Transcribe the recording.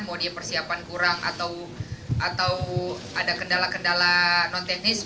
mau dia persiapan kurang atau ada kendala kendala non teknis